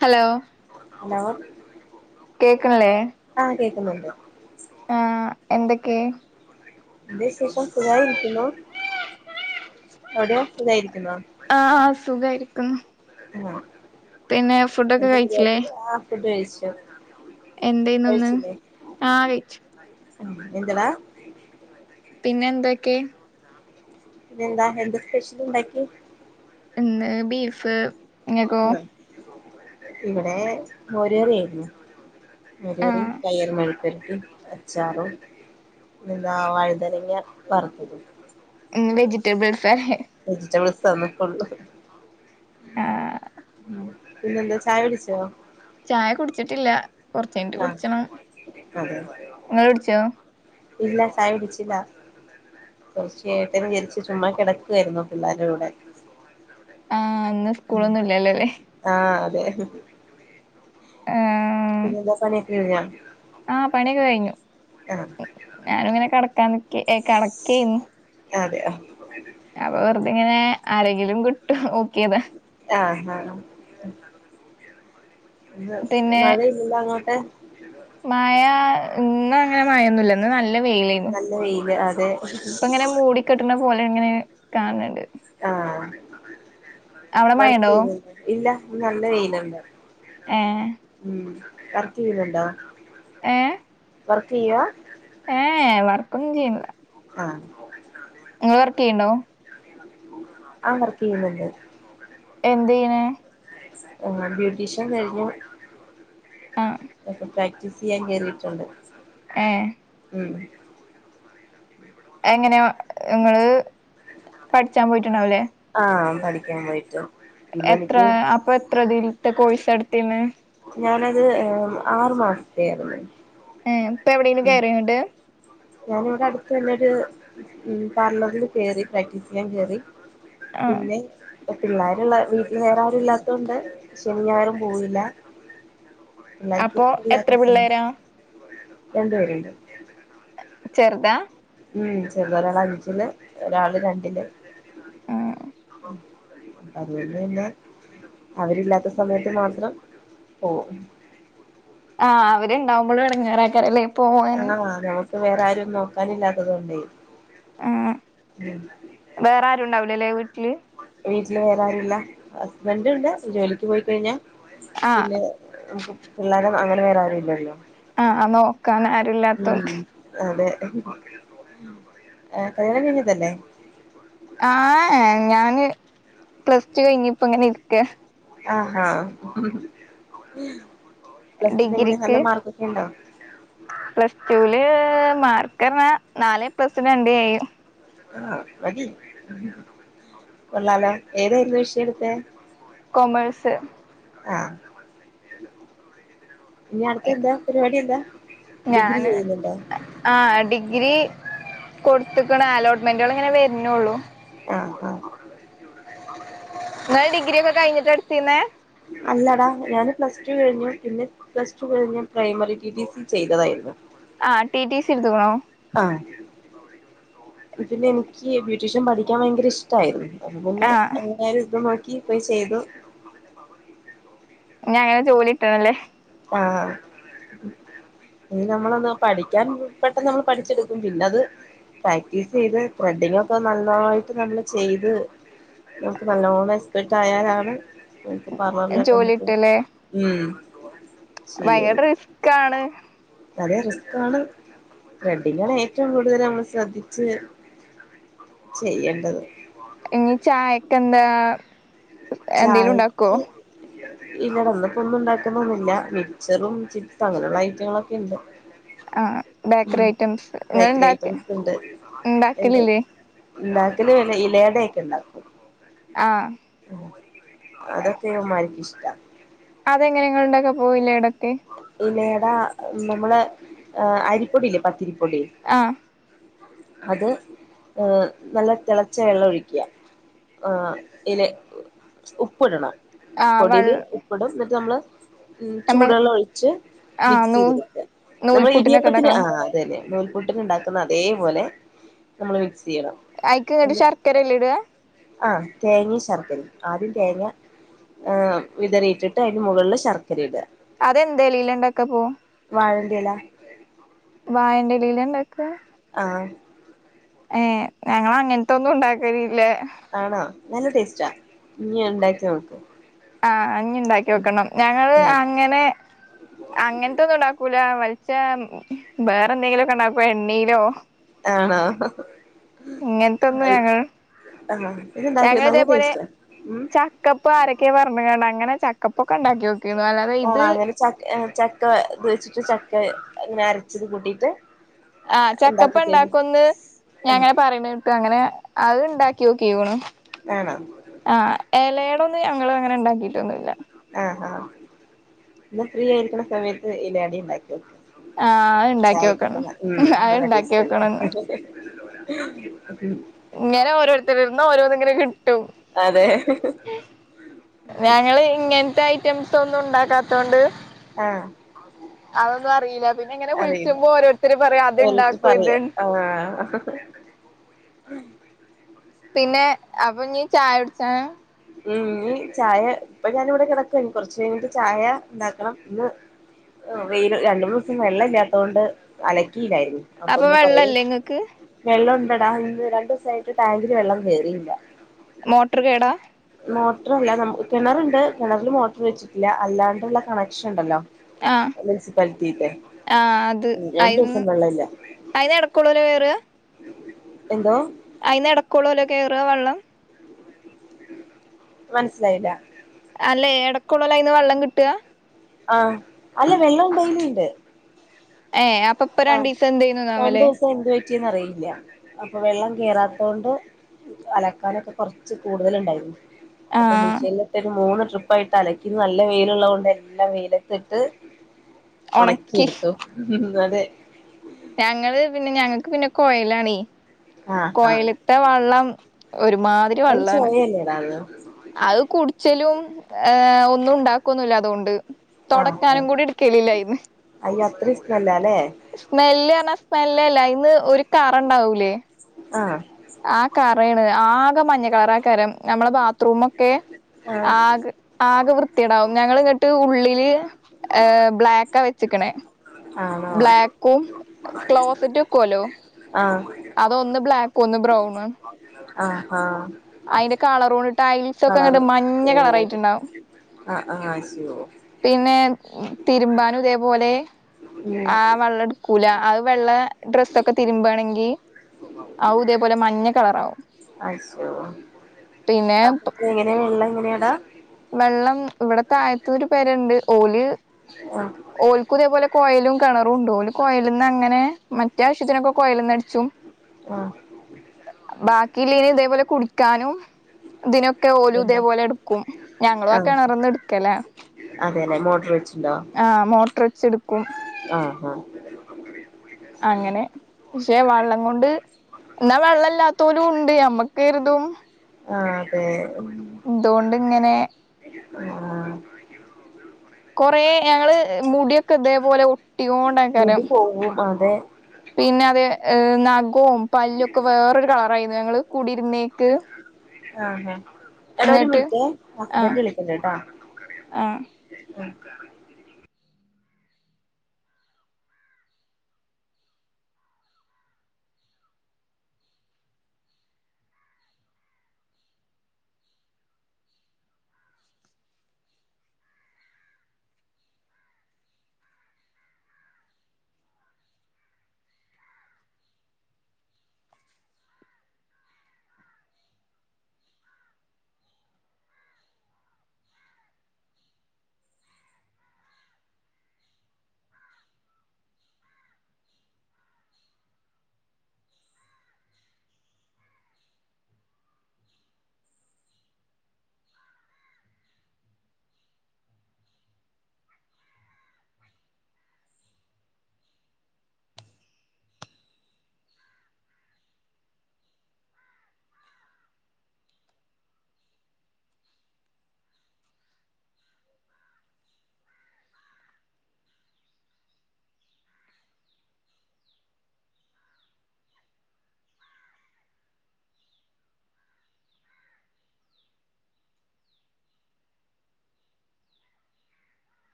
Hello hello കേക്ക്ണ്ല്ലേ? ആഹ് കേക്കുന്നുണ്ട്. എന്തൊക്കെ എന്താ വിശേഷം സുഖായിരിക്കുന്നോ? അവടെയൊ സുഖയിരി ആഹ് സുഖായിരിക്കുന്നു. ആഹ് പിന്നെ ഫുഡൊക്കെ എന്താ പരിപടി ആഹ് ഫുഡ് കഴിച്ചു. എന്തെയ്ന്നു ന്ന് ആഹ് കഴിച്ചു. ഉം എന്തടാ? ഇന്നെന്തൊക്കെ? ഇന്നെന്താ എന്ത് സ്പെഷ്യലാണ്ടാക്ക്യേ? എന്ന് ബീഫ് ഇങ്ങക്കോ? ഇവടെ മോര്കറ്യേര്ന്നു മോര് കറിം ആഹ് പയറ് മണിം. [unintelligible] അച്ചാറും പിന്നെന്താ വഴുതനങ്ങ്യ വറ്ത്തതും. ഇന്ന് വെജിറ്റേബിൾ സാഹെ വെജിറ്റബിൾസ ഇന്ന് ഫുള്ള് ഉം ആഹ് ഉം പിന്നെന്താ ചായ പിടിച്ചോ ചായ കുടിച്ചിട്ടില്ല കൊറച്ചകഴിഞ്ഞെട്ട് ആഹ് കുടിച്ചണം അതെ നിങ്ങ കുടിച്ചോ ഇല്ല ചായകുടിച്ചില്ല തീർച്ചയായിട്ടും ഇഴെച് ചുമ്മാ കിടക്കുവരുന്നു പിള്ളേരടെ കൂടെ ആ അന്ന് ഉം സ്കൂളൊന്നുഇല്ലല്ലോല്ലേ [unintelligible] ആ പിന്നെന്താ പണിയക്ക കഴിഞ്ഞ. ആ പണിയൊക്കെ കഴിഞ്ഞു. ഞാനിങ്ങനെ കടക്കാനി കട ക്കെന്. അതെ അ. അപ്പൊ വെറുതെങ്ങനെ ആരെങ്കിലും കിട്ടും ആ ആ മഴയില്ല അങ്ങോട്ടെ മയ ഇന്നങ്ങനെ മയെന്നുല്ല. ഇന്ന് നല്ല വെയിലേന്നു നല്ല വെയില് അതെ. ഇപ്പ ഇങ്ങനെ മൂടിക്കെട്ടണ പോലെ ഇങ്ങനെ കാണണ് ണ്ട്. ആ അവിടെ വർക്ക് മഴയുണ്ടോ ചെയ ഇല്ല ഇന്ന് നല്ല വെയിലോ ആ വർക്ക് ചെയുന്നുണ്ടോ? ഏ വർക്ക് ചെയ്യുവ ഏ വർക്കൊന്നും ചെയ്യണില്ല. ആഹ് നിങ്ങള് വർക്കെയുണ്ടോ? ആ വർക്ക് ചെയ്യുന്നുണ്ട്. എന്തീനെ ആ ബ്യൂട്ടീഷ്യൻ കഴിഞ് ഞൻ ആ ഇപ്പ പ്രാക്ടീസ് സ്യാൻ കേറിട്ടുണ്ട്. ഏ ഉം എങ്ങനെയ നിങ്ങള് പഠിച്ചാൻ പോയിട്ടുണ്ടാവല്ലേ. ആ പഠിക്കാൻ പോയിട്ട്. പിന്നെ എത്ര എനിക്ക് അപ്പൊ എത്രതിലത്തെ കോഴ്സ് എടുതെന്? ഞാനത് ആറു മാസതെ ആയിരുന്നു. ഏ ഇപ്പൊ എവിടെലും കയറിയോങ്ങണ്ട്. ഞാന് ഇവിടെ അടുത്ത് തന്നെരു പാർലറിൽ കേറി പ്രാക്ടീസ് ചെയ്യാൻ കേറി. ആ പിന്നെ പിള്ളേരുള്ള വീട്ടിൽ നേറെ ആരും ഇല്ലാത്തൊണ്ട് ശനി ഞായറും പോവില്ല. അപ്പൊ എല്ലത്ത എത്ര എല്ലാസങ്ങ ളിലും പിള്ളേരാ രണ്ട് വെരുണ്ട്. വേർതാ ഉം ചെറത ഒരാള് അഞ്ചില്. ഒരാള് രണ്ടില്. ആ അതുകൊണ്ട് പിന്നെ അവരില്ലാത്ത സമയത്ത് മാത്രം പോകും. ആ അവരുണ്ടാവുമ്പോളും എടങ്ങേറആക്കാ അല്ലേ. ആ നമുക്ക് വേറെ ആരും നോക്കാനില്ലാത്തത് കൊണ്ടേ. ആഹ് ഉം ഇടലെ വീട്ടില് വീട്ടില് വേറെ ആരുല്ല. ഹസ്ബന്റ് ഉണ്ട് ജോലിക്ക് പോയിക്കഴിഞ്ഞാ ആഹ് പിന്നെ പിള്ളോരും അങ്ങനെ വേറെ ആരും ഇല്ലല്ലോ. ആ നോക്കൻ ആരുല്ലാതൊണ്ട്. ആ കയാണംകയിഞ്ഞതല്ലേ. ആഹ് ഞാന് പ്ലസ് ടു കഴിഞ്പ്പ ഇങ്ങനെ ഇരിക്ക. ആഹ ഉം ഡിഗ്രിക്ക് പ്ലസ് ടുല് മാർക്ക ർഞ നാലേപ്ലസും രണ്ട് എ യും. ആ മതി കൊള്ളാലോ ഏതായിരുന്നു വിഷയം എടുത്തെ കോമഴസ് ആഹ ഇനി അടുത്തെ എന്താ പരിപാടി എന്താ ഡിഗ്രി ഞാന് ചെയ്യുന്നുണ്ടോ ആ ഡിഗ്രി കൊടുത്തക്കണ അലോട്ട്മെന്റുകൾ ഇങ്ങനെ വരുന്നള്ളൂ ആഹ ആഹ നിങ്ങള്ൾ ഡിഗ്രി ഒക്കെ കഴിഞ്ഞിട്ട് എടുത്തിന്നേ അല്ലാടാ ഞാന് പ്ലസ് ടു കഴിഞ്ഞു പിന്നെ പ്ലസ് ടു കഴിഞ്ഞഞ് പ്രൈമറി ടി ടി സി ചെയ്തതായിരുന്നു ആഹ ടി ടി സി എടുത്തക്കണോ ആ ഇതില് എനിക്ക് ബ്യൂട്ടീഷ്യൻ പഠിക്കാൻ ഭയങ്കര ഇഷ്ടായിരുന്നു അത് പിന്നെ ആഹ് എങ്ങും ഇതു നോക്കി പോയി ചെയ്തു ഇനി അങ്ങനെ ജോലി കിട്ടണല്ലേ ആഹ് ഇനി നമ്മളൊന്ന് പഠിക്കാൻ പെട്ടെന്ന് നമ്മൾ പഠിച്ചെടുക്കും പിന്നത് പ്രാക്ടീസ് ചെയ്ത് ത്രെഡിങ് ഒക്കെ നന്നായിട്ട് നമ്മള് ചെയ്ത് നമുക്ക് നല്ലോണം എസ്പട്ടായാലാണ് എന്ന്ട്ട് പാർലറിലൊക്കെ ജോലി നമ്മക്ക് കിട്ടല്ലേ ഉ ഭയങ്കര റിസ്കാണ് അതേ റിസ്ക്കാണ് ത്രെഡിങ്ങാണ് ഏറ്റവും കൂടുതൽ നമ്മൾ ശ്രദ്ധിച്ച് ചെയ്യേണ്ടത് ഇനി ചായക്കെ എന്താ എന്തെലും ഉണ്ടാക്കോ ഇല്ലടന്നപ്പോ ഒന്നും ഉണ്ടാക്കുന്നൊന്നില്ല മിച്ചറും ചിപ്സും അങ്ങനെയുള്ള ഐറ്റങ്ങളൊക്കെ ഉണ്ട് ആ ഉ ബേക്കറി ഐറ്റംസ് നിങ്ങൾ ബേക്കറി ഉണ്ടാക്ക ഐറ്റംസ് ഉണ്ട് എന്ത് ഉണ്ടാക്കലില്ലേ ഉണ്ടാക്കല് ഇലയുട ആയ്ട്ട് ഉണ്ടാക്കും ആ അതൊക്കെ ഉ്മാക്ക് ഇഷ്ട അതെങ്ങനങ്ങളുടെൊക്കെ പോയില്ല ഇട പിന്നെടാ നമ്മള് അരിപ്പൊടില്ലേ പത്തിരി കുടി ആ അത് ഏ നല്ല തിളച്ച വെള്ളം ഒഴിക്കുക ആ ഇലെ ഉപ്പ് ഇടണം ആ വൾ പൊടിയില് ഇപ്പടും എന്നിട്ട് നമ്മള് ഉ നമ്മൾ ചൂടുെള്ളം ഒഴിച്ച് ആ മിക്സ് നൂ ചെയ്തെടുക്ക നമ്മൾ നൂൽപുട്ടിനൊക്കെ ഇടിയപ്പത്തിന് ഉണ്ടാക്കണം ആ അതന്നെ നൂൽപൂട്ടിന ഉണ്ടാക്കുന്ന അതേപോലെ നമ്മള വിക്സ് അയിക്ക് ഇങ്ങട്ട് ശർക്കരല്ലേ ഇടുക ആഹ തേങേ ശർക്കരീം ആദ്യം തേങ്ങ ആ് വിതറിയിട്ടിട്ട് അതിന് മുകളിൽ ശർക്കര ഇട അതെന്താ ലീലണ്ടൊക്കെ പോ വാഴ്ന്റല വായന്റെലീല ഇണ്ടാക്ക ആ ഏ ഞങ്ങൾ അങ്ങനത്തെ ഒന്നും ഉണ്ടാക്കലില്ല ആണോ നല്ല ടേസ്റ്റാ ഇന ഉണ്ടാക്കി നോക്ക് ആഹ അഞ് ഉണ്ടാക്കി നോക്കണം ഞങ്ങള് ആഹ് അങ്ങനെ അങ്ങനത്തെ ഒന്നും ഉണ്ടാക്കൂ മ വേറെ എന്തെങ്കിലുമ ഒക്കെ ഉണ്ടപ്പ എണ്ണയിലോ ആണോ ഇങ്ങനത്തൊന്നു ഞങ്ങൾ ആഹ് ഇത്ണ്ടാക്കി നല്ല ഞങ്ങള്തേപോലെ ടേസ്റ്റാ ഉം ചക്കപ്പ ആരെക്കെ പർഞ്ഞ്ക്കാണ്ട് അങ്ങനെ ചക്കപ്പൊക്കെണ്ടാക്ക്യോ ആഹ് അങ്ങനെ ച ചക്ക ത് വെച്ചിട്ട് ചക്ക അങ്ങനെ അരച്ചത് കൂട്ടിട്ട് ആഹ് ഉണ്ടാക്കി കഴിഞ്ഞു ചക്കപ്പണ്ടാക്കൊന്ന് ആഹ് ഞാങ്ങനെ പറിണേട്ടു അങ്ങനെ അത് ണ്ടാക്ക്യോക്കിക്ക്ണ്. ആണോ എലയടൊന്നും ഞങ്ങളു അങ്ങനെണ്ടാക്കിട്ടൊന്നുല്ല. ആഹ് എന്ന ഫ്രീയായിരിക്ക്ണ സമയത്ത് ഇലയാടിണ്ടാക്ക്യോ ആഹ് അത് ഇണ്ടാക്കി ചായക്ക നോക്കണം [unintelligible] ഉം അത് നല്ല ഇണ്ടാക്കി ടേസ്റ്റ് ണ്ട്. നോക്കണം ഇങ്ങനെ ഓരോര്ത്തരേന്ന് ഓരോന്ന്ങ്ങനെ കി ട്ടും അതെ ഞങ്ങളിങ്ങൻത്തയ് റ്റംസൊന്നുണ്ടാക്കാതൊണ്ട് ആഹ് അതൊന്നുവറിയില്ല പിന്നെ ഇങ്ങനെ അറിയില്ല കുയിച്ചുമ്പോ ഓരോര്ത്തര് പറയാ അത് ഓരോരുത്തര് ഇണ്ടാക്കും ഇത് പറയാ [unintelligible] പിന്നെ അപ്പൊ നീ ചായ കുടിച്ച [unintelligible] ഉം ഇീ ചായ ഇപ്പൊ ഞാനിവിടെ കെടക്വ കൊറച്ചയിഞ്ഞിട്ട് ചായ ണ്ടാക്കണം ഇന്ന് വെയില് രണ്ട്മൂന്ന്സം വെള്ളല്ലാത്തോണ്ട് അലക്ക ക്കീല്ലാര്ന്ന് അപ്പൊ അപ്പൊന്ന് കൊറെ വെള്ളല്ലേ ഇങ്ങക്ക് വെള്ളോ ടടാന്ന് രണ്ടുസായിട്ട് ടാങ്കില് വെള്ളം കേറില്ല മോട്ട്ർ കേടാ മോട്രാല്ല നമ് കെണറുണ്ട് കെണറിൽ മോട്ർ വെച്ചിട്ടില്ല അല്ലാണ്ടുള്ള കണക്ഷണ്ടല്ലോ ആഹ് മുൻസിപ്പാലിറ്റിട്ട രണ്ടുസം വെള്ളവില്ല അയിനെടക്കൂളൂല്ലോ വേറ് എന്തോ അയിന്ന് എടക്കോള്ളോല്ലകേറ വെള്ളം മൻസിലായില്ല അല്ലെ എടക്കുള്ളലയിന്ന് വെള്ളം കിട്ട്ക ആഹ് അല്ല വെള്ളണ്ടൈലുണ്ട് ഏഹ് അപ്പൊ ഇപ്പൊ രണ്ടിസം എന്തെന്നു [unintelligible] ക്കുംഅറിയില്ല അപ്പൊ വെള്ളം കേറാതോണ്ട് അലക്കാനൊക്കെ കൊറച്ച് കൂടുതല്ണ്ടായിരുന്നു അപ്പൊ ആഹ് മിഷ്യലിട്ടത് മൂന്ന് ട്രിപ്പായിട്ടലക്കി നല്ല വെയിലോള്ളോണ്ടല്ലാം വെയിലത്തിട്ട് ഒണക്കി ഒണക്കിയെടുത്തു അതെ ഞങ്ങള് പിന്നെ ഞങ്ങക്ക് പിന്നെ കോയലാണെ ആഹ് ആഹ് കോയിലത്തെ വള്ളം ഒരുമാതിരി ഒരു വെള്ളാണ് ചൊയല്ലേടാ അത് അത് കുടിച്ചലും ഏഹ് ഒന്നുണ്ടാക്കൊന്നില്ല അതോണ്ട് ആഹ് തൊടക്കാനും കൂടി എടുക്കലില്ലയിന്ന് ഒരിസ്മെല്ലാൽ സ്മെല്ല് അർഞ്ഞാ സ്മെല്ലല്ലാ അയിന്ന് ഒരു കറണ്ടാവൂലേ ആഹ് റയ്ണ് ആകെ മഞ്ഞ കളറാക്കാരം നമ്മളെ ബാത്റൂമൊക്കെ ആഹ് ആകെ ആകെ വൃത്തിയേടാവും ഞങ്ങളിങ്ങിട്ട് ഉള്ളില് ഏഹ് ബ്ലാക്കാ വെച്ച്ക്ക്ണ് ആണോ ബ്ലാക്കും ക്ലോസറ്റ്ക്കുവല്ലോ ആഹ് അതൊന്ന് ബ്ലാക്ക് കൊന്ന് ബ്രൗണും ആണ് ആഹ് ആഹ് അയ്ന്റെ കളറോണ്ട് ടൈൽസൊക്കെങ്ങട് മഞ്ഞ കളറായിട്ടുണ്ടാവും ആ ആഹ് അയ്ശോ പിന്നെ തിരുമ്പാനും ഇതേപോലെ ഉം ആ വള്ളട് ക്കൂല അത് വെള്ള ഡ്രെസ്സൊക്കെ തിരുമ്പാണെങ്കി അവു ഇതേപോലെ മഞ്ഞ കളറാവും അ പിന്നെ അപ്പ എങ്ങനെയാ വെള്ള എങ്ങനെയടാ വെള്ളം ഇവിടത്തെ ആയിത്തൂര് പെരണ്ട് ഓല് ആ ഓൽകുതേപോലെ കോയയിലും കിണറും ഉണ്ടാവല് കോയിൽ നിന്ന് അങ്ങനെ മറ്റേ ആവശ്യത്തിനൊക്കെ കോയൽന്ന് ആ ബാക്കില്ല ഇന് ഇതേപോലെ കുടിക്കാനും ഇതിനൊക്കെ ക്കെ ഓലും ഇതേപോലെ എടുക്കും ആ ഞങ്ങളൊക്കെ ഇ കിണറ്ന്ന് എടുക്കലാ മോട്ടർ [unintelligible] ആ മോട്ടർ വച്ച്ട്ക്കും ആ ആ അങ്ങനെ പക്ഷെ വള്ളങ്ങൊണ്ട് ന്നാ വെള്ളമല്ലാത്തോലും ണ്ട് നമ്മ കെര്തും ആ അതെ ന്തോണ്ട് ഇങ്ങനെ ആ കൊറെ ഞങ്ങള് മുടിയൊക്കെ ഇതേപോലെ ഒട്ടിയോണ്ടാക്കാരം മുടി പോവും അതെ പിന്നെ അതെ നഖവും പല്ലൊക്കെ വേറൊരു കളറായിരുന്നു ഞങ്ങൾ കുടിരുന്നേ ക്ക് ആ ആ എടാ ഒരു മിനിറ്റ് ബഡ [unintelligible] ആഹ് വിളിക്കണ്ടട്ടാ ആഹ് [inaudible]